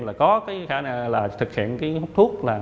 là thực hiện cái hút thuốc